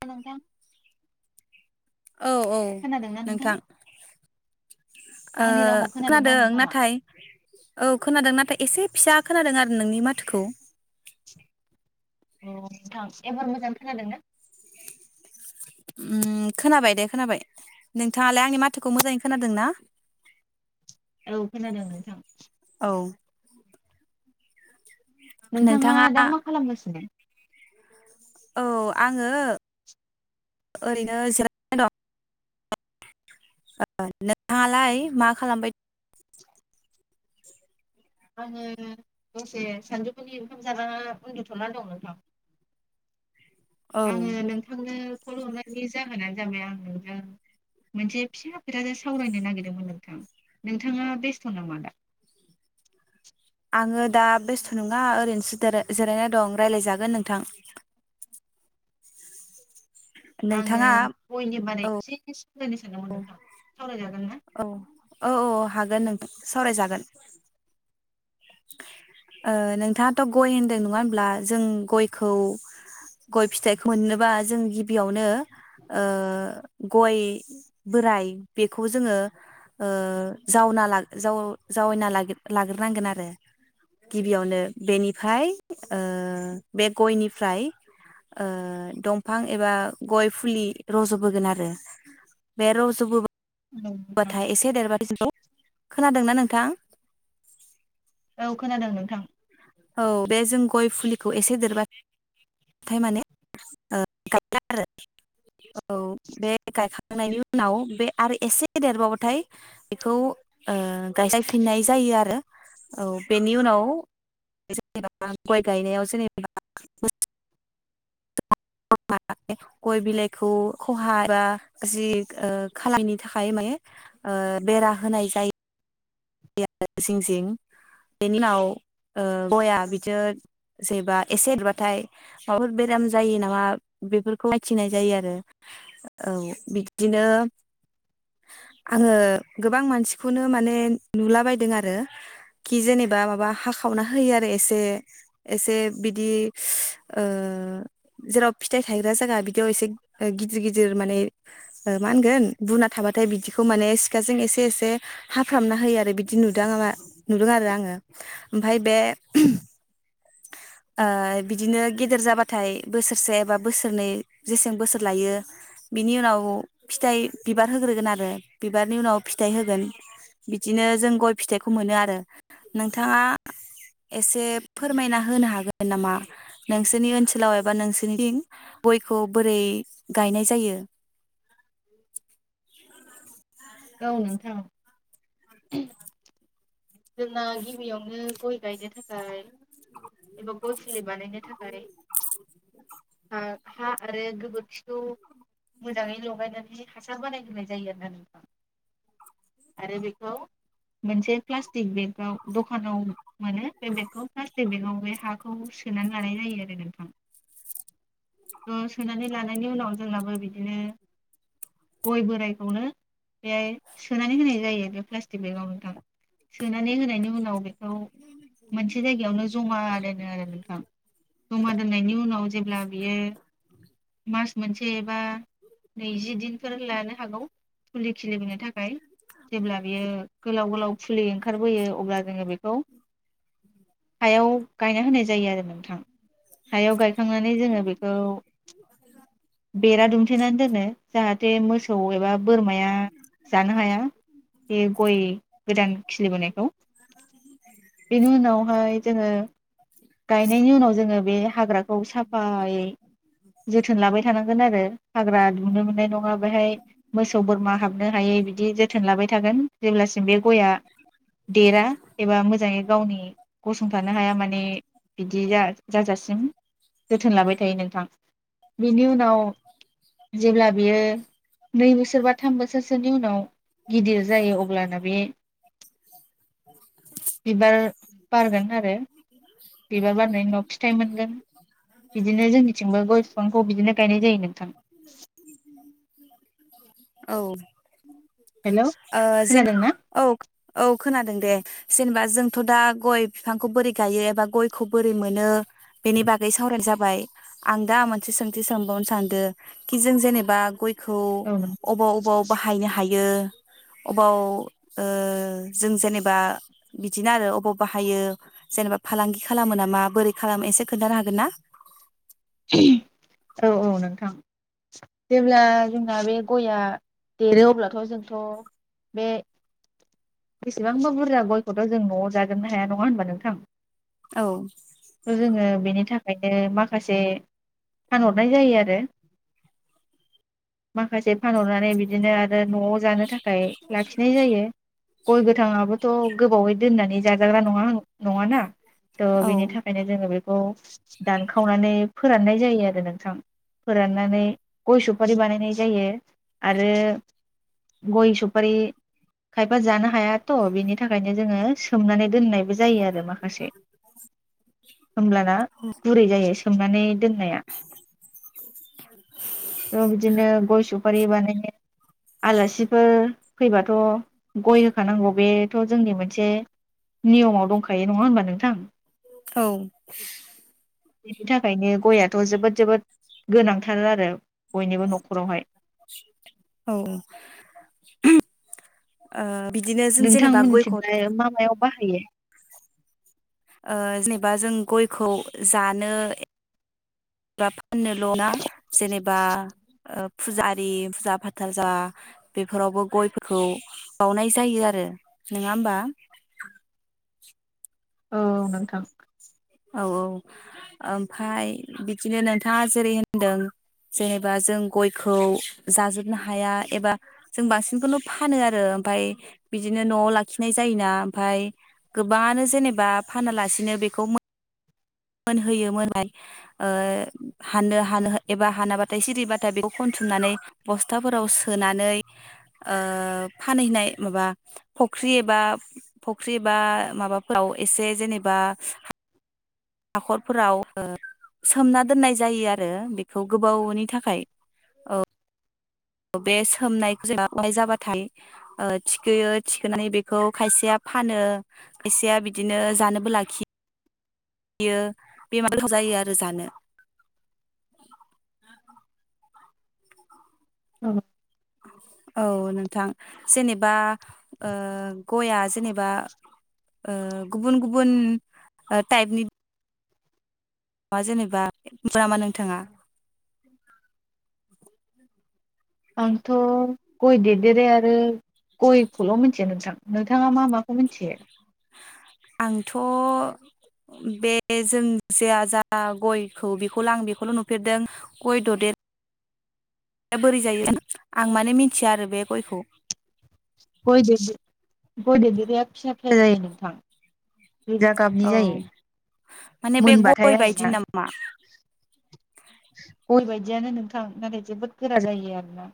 औ नोंथां। औ औ नोंथां ओ आंनि रावखौ खोनादोंना खोनादों नोंथाङा नाथाय औ खोनादों नाथाय एसे फिसा खोनादों आरो नोंनि माथोखौ। अ नोंथां एबार मोजां खोनादों ना? ओम खोनाबाय दे खोनाबाय नोंथाङालाय आंनि माथोखौ मोजाङै खोनादों ना? औ खोनादों नोंथां। औ नोंथांङा नोंथाङा दा मा खालामगासिनो? औ आङो ओरैनो जिरायना दं। ओ नोंथांङालाय मा खालामबाय [inaudible] [inaudible] आङो दसे सानजौफुनि ओंखाम जाना उन्दुथ'ना दं नोंथां। औ आङो नोंथांनो फन हरनायनि जाहोनानो जाबाय आं नोंथां मोनसे फिसा खोथाजों सावरायनो नागिरदोंमोन नोंथां। नोंथाङा बेस्थ' नामा दा? आङो दा बेस्थ' नङा ओरैनोसो दारा जिरायना दं रायज्लायजागोन नोंथां [inaudible] आङो नोंथाङा गयनि बाराय एसे सावरायनो सानदोंमोन नोंथां सावरायजागोन ना औ औ औ औ हागोन नों सावरायजागोन। ओ नोंथाङाथ' गय होन्दों नङा होमब्ला जों गयखौ गय फिथाइखौ मोननोबा जों गिबियावनो ओ गय बोराइ बेखौ जोङो ओ जावना ला जाव जावायना लाग्रोनांगोन आरो। गिबियावनो बेनिफाय ओ बे गयनिफ्राय ओ दंफां एबा गय फुलि रज'बोगोन आरो बे रज'बोबा औ नोंथां बाथाय‌ एसे देरबाथाय बेखौ। खोनादोंना नोंथां? औ खोनादों नोंथां। औ बे जों गय फुलि खौ एसे देरबा थाय माने ओ [unintelligible] आरो औ बे गायखांनायनि उनाव बे आरो एसे देरबाबाथाय बेखौ ओ गायसायफिननाय जायो आरो औ बेनि उनाव जेनेबा गय गायनायाव जेनेबा [unintelligible] गय बिलाइखौ खहा बा जि ओ खालायनि थाखाय माने ओ बेरा होनाय जायो। [unintelligible] जिं जिं बेनि उनाव ओ गया बिदि जेबा एसे देबाथाय माबाफोर बेराम जायो नामा बेफोरखौ मिथिनाय जायो आरो औ बिदिनो आङो गोबां मानसिखौनो माने नुलाबायदों आरो खि जेनेबा माबा हाखावना होयो आरो एसे एसे बिदि ओ जेराव फिथाइ थायग्रा जागा बिदियाव एसे गिदिर गिदिर माने ओ मा होनगोन दुना थाबाथाय बिदिखौ माने सिखाजों एसे एसे हाफ्रामना होयो आरो। आरो बिदि नुदों आङा नुदों आरो आङो ओमफाय बे [unintelligible] ओ बिदिनो गेदेर जाबाथाय बोसोरसे बा बोसोरनै जेसें बोसोर लायो बिनि उनाव फिथाइ बिबार होग्रोगोन आरो बिबारनि उनाव फिथाइ होगोन बिदिनो जों गय फिथाइखौ मोनो आरो नोंथाङा एसे फोरमायना होनो हागोन नामा नोंसोरनि ओनसोलाव एबा नोंसोरनिथिं गयखौ बोरै गायनाय जायो? औ नोंथां। जोंना गिबियावनो गय गायनो थाखाय एबा गय फुलि बानायनो थाखाय हा हा आरो गोबोरखिखौ मोजाङै लगायनानै हासार बानायग्रोनाय जायो आरोना बेखौ आरो बेखौ मोनसे प्लास्त तिग बे दखानाव मोनो बे बेगखौ प्लास्टिक बेगाव बे हाखौ खौ सोनानै लानाय जायो आरो नोंथां। ओ सोनानै लानायनि उनाव जोंनाबो बिदिनो गय बोराइखौनो बेहाय सोनानै होनाय जायो बे प्लास्टिक बेगाव नोंथां। सोनानै होनायनि उनाव बेखौ मोनसे जायगायावनो जमा दोनो आरो नोंथां जमा दोननायनि उनाव जेब्ला बियो मास मोनसे एब बा नैजि दिनफोर लानो हागौ। फुलि खिलिबनो थाखाय। जेब्ला बियो गोलाव गोलावफु इ ओंखारबोयो अब्ला जोङो बेखौ हायाव गायना होनाय जायो आरो नोंथां हायाव गायखांनानै जोङो बेखौ बेरा दुमथेनानै दोनो जाहाथे मोसौ एबा बोरमाया जानो हाया बे गय गोदान खिलिबोनायखौ बेनि उनावहाय जोङो गायनायनि उनाव जोङो बे हाग्राखौ साफायै जोथोन लाबाय थानांगोन आरो हाग्रा दुनो मोननाय नङा बेहाय मोसौ बोरमा हाबनो हायै बिदि जोथोन लाबाय थागोन जेब्लासिम बे गया देरा एबा मोजाङै गावनि गसंथानो हाया माने बिदि जा-जाजासिम जोथोन लाबाय थायो नोंथां बिनि उन नाव जेब्ला बियो नै बोसोर बा थाम बोसोरसोनि उनाव गिदिर जायो अब्लाना बे बिबार बारगोन आरो बिबार बारनायनि उनाव फिथाइ मोनगोन बिदिनो जोंनिथिंबो गय बिफांखौ बिदिनो गायनाय जायो नोंथां [inaudible] औ। हेलौ ओ जेन खोनादोंना औ औ खोनादों दे जेनेबा जोंफ थ' दा गय फिफांखौ बोरै गायो एबा गयखौ बोरै मोनो बेनि बागै सावरायनाय जाबाय आं दा मोनसे सोंथ थि सोंबावनो सानदों कि जों जेनेबा गय खौ औ नोंथां अबाव अबाव बाहायनो हायो‌ अबाव ओ जों जेनेबा बिदिनो आरो अबाव बाहायो जेनेबा फालांगि खालामो नामा बोरै खालामो एसे खोन्थानो हागोन ना? औ औ नोंथां जेब्ला जोंना बे गआ देरो अब्लाथ' जोंथ' बे बेसेबांबा बुरजा गयखौथ' जों न'आव जाजोबनो हाया नङा होनबा नोंथां? औ जोङो बेनि थाख खायनो माखासे फानहरनाय जायो आरो माखासेब फानहरनानै बिदिनो आरो न'आव जानो थाखाय लाखिनाय जायो गय गोथांआबोथ' गोबावै दोननानै जा जाग्रा नङा नङाना थ' औ बिनि थाखायनो जोङो बेख औ। दानखावनानै फोराननाय जायो आरो नोंथां फोराननानै गय सुफारि बानायनाय जायो आरो गय सुफारि खायफा जानो हायाथ' बिनि थाखायनो जोङो सोमनानै दोननायबो जायो आरो माखासे होमब्लाना गुरै जायो‌ माने दोननाया औ बिदिनो गय सुफारि बानायनो आलासिफोर फैबाथ' गय होखानांगौ बे थ' जोंनि मोनसे नियमाव दंखायो नङा होनबा नोंथां औ नि थाखायनो गयआथ' जोबोद जोबोद गोनांथार आरो बयनिबो न'खरावहाय औ ओ नोंथां मोनथिनाय मा मायाव बाहायो ओ जेनेबा जों गयखौ जानोबा फाननोल' ना जेनेबा ओ फुजारि फुजा फाथाल जा बेफोरावबो गयफोरखौ बावनाय जायो आरो नोङा होमबा औ नोंथां औ औ ओमफाय बिदिनो नोंथाङा जेरै होनदों जेनेबा जों गयखौ जाजोबनो हाया एबा जों बांसिनखौनो फानो आरो ओमफाय बिदिनो न'आव लाखिनाय जायोना ओमफाय गोबाङानो जेनेबा फानालासिनो बेखौ मो मोनहोयो मोनहाय ओ हानो हानो एबा हानाबाथाय सिरिबाथाय बेखौ खनथुमनानै बस्थाफोराव सोनानै ओ फानहैनाय माबा फख्रि एबा फख्रि एबा माबाफोराव एसे जेनेबा हाखरफोराव ओ सोमना दोननाय जायो आरो बेखौ गोबावनि थाखाय औ बे सोमनायखो जाजानाय जाबाथाय ओ थिखोयो थिखोनानै बेखौ खायसेया फानो खायसेया बिदिनो जानोबो लाखियो बियो बे मार गोथाव जायो आरो जानो ओ औ नोंथां जेनेबा ओ गयआ जेनेबा ओ गुबुन गुबुन टा टाइपनि मा जेनेबा नोंथाङा आंथ' गय देरदेरे आरो गयखौल' मोनथियो नोंथां नोंथा नोंथाङा मा माखौ मोनथियो आंथ' बे जों जेया जा गयखौ बेखौला आं बेखौल' नुफेरदों गय ददेराया बोरै जायो आं माने मिथिया आरो बे गयखौ गय देदे गय देदेरिया फिसा फिसा जायो नोंथां गोजा औ गाबनि जायो माने बे गय बायदि नामा गय बायदियानो नोंथां नाथाय जोबोद गोरा जायो आरोना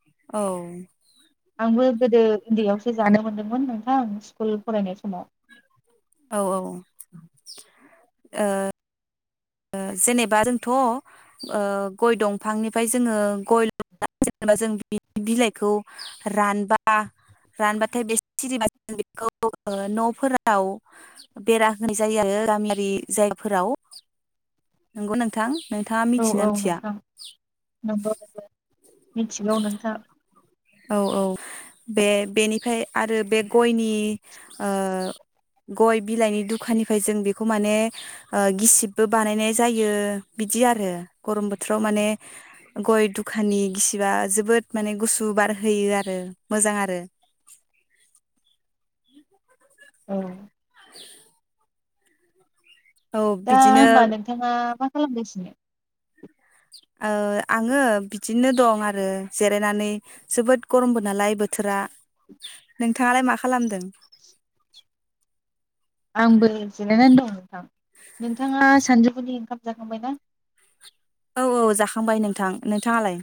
औ आंबो गोदो उन्दैआवसो जानो मोन्दोंमोन नोंथां स्कुल फरायनाय समाव औ-औ ओ ओ जेनेबा रोंथ ओ गय दंफांनिफाय जोङो गय ल जेनेबा जों बि बिलाइखौ रानबा रानबाथाय बे सिरिबा जों बेखौ ओ नफोराव बेरा होनाय जायो आरो गामियारि जायगाफोराव नंगौ नोंथां नोंथाङा मिथिना औ-औ मिथिया नोंथां नंगौ मिथिगौ नोंथां औ-औ बे बेनि ओमफाय आरो बे गयनि ओ गय बिलाइनि दुखानिफ्राय जों बेखौ माने ओ गिसिबबो बानायनाय जायो बिदि आरो गरम बोथोराव माने गय दुखानि गिसिबा जोबोद माने गुसु बार होयो आरो मोजां आरो औ [inaudible] औ दा बिदिनो होमबा नोंथाङा मा खालामगासिनो ओ आङो बिदिनो दं आरो जिरायनानै जोबोद गरमबो नालाय बोथोरा नोंथाङालाय मा खालामदों आंबो जिरायनानै दं नोंथां नोंथाङा सानजौफुनि ओंखाम जाखांबाय ना औ - औ जाखांबाय नोंथां नोंथाङालाय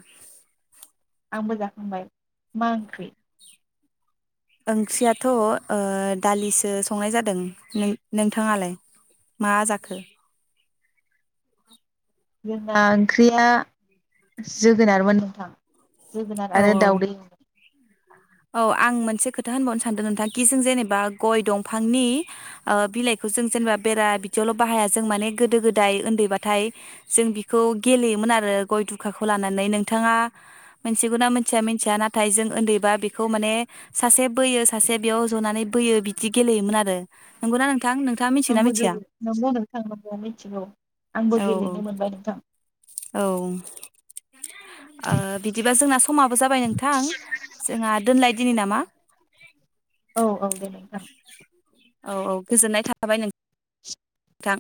आंबो जाखांबाय मा ओंख्रि ओंख्रियाथ ओ दालिसो संनाय जादों नों-नोंथाङालाय मा जाखो जोंना ओंख्रिया जोगोनारमोन नोंथां जोगोनार औ आरो औ दावदै एवनाय औ आं मोनसे खोथा होनबावनो सानदों नोंथां कि जों जेनेबा गय दंफांनि ओ बिलाइखौ जों जेनेबा बेरा बिदियावल बाहाया जों माने गोदो गोदाय उन्दैबाथाय जों बिखौ गेलेयोमोन आरो गय दुखाखौ लानानै नोंथाङा मोनथिगौना मोनथिया मिथिया नाथाय जों उन्दैबा बेखौ खौ माने सासे बोयो सासे बेयाव जनानै बोयो बिदि गेलेयोमोन आरो नंगौना ना आंबो गेले नंगौ नोंथां नंगौ मिथिगौ आंबो औ गेलेनो मोनबाय नोंथां औ ओ बिदिबा जोंना समाबो जाबाय नोंथां जोंहा दोनलाय दिनि नामा औ - औ दे नोंथां औ - औ गोजोननाय थाबाय नों - नोंथां